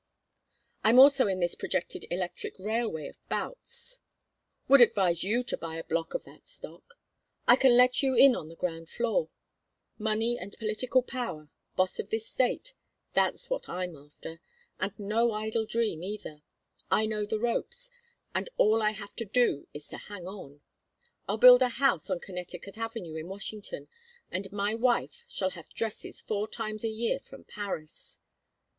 I'm also in this projected electric railway of Boutts's would advise you to buy a block of that stock I can let you in on the ground floor. Money and political power, boss of this State that's what I'm after and no idle dream either. I know the ropes, and all I have to do is to hang on. I'll build a house on Connecticut Avenue in Washington, and my wife shall have dresses four times a year from Paris."